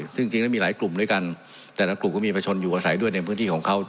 ซึ่งจริงแล้วมีหลายกลุ่มด้วยกันแต่ละกลุ่มก็มีประชนอยู่อาศัยด้วยในพื้นที่ของเขา